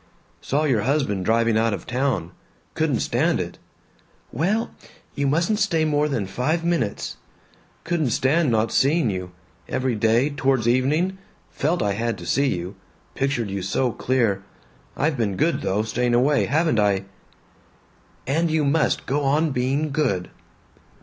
"Saw your husband driving out of town. Couldn't stand it." "Well You mustn't stay more than five minutes." "Couldn't stand not seeing you. Every day, towards evening, felt I had to see you pictured you so clear. I've been good though, staying away, haven't I!" "And you must go on being good."